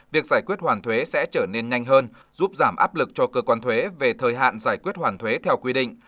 việc giải quyết hoàn thuế sẽ trở nên nhanh hơn giúp giảm áp lực cho cơ quan thuế về thời hạn giải quyết hoàn thuế theo quy định